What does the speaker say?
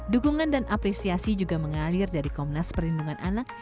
dukungan dan apresiasi juga mengalir dari komnas perlindungan anak